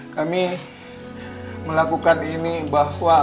kami melakukan ini bahwa